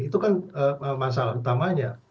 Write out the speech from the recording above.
itu kan masalah utamanya